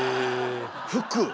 服！